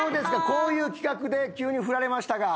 こういう企画で急に振られましたが。